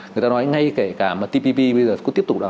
người ta nói ngay kể cả mà tpp bây giờ có tiếp tục đó